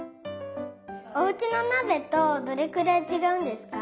おうちのなべとどれくらいちがうんですか？